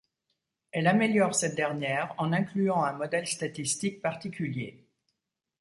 Elle améliore cette dernière en incluant un modèle statistique particulier.